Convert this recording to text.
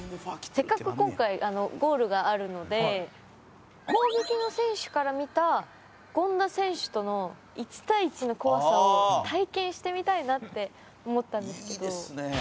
せっかく今回ゴールがあるので攻撃の選手から見た権田選手との１対１の怖さを体験してみたいなって思ったんですけど。